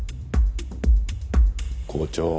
校長。